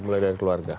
mulai dari keluarga